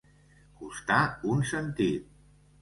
Costar un sentit.